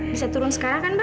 bisa turun sekarang ya mbak